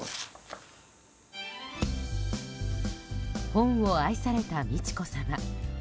本を愛された美智子さま。